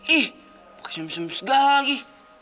ih pakai nyum nyum segala lagi